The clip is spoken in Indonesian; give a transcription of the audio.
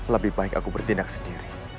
lebih baik aku bertindak sendiri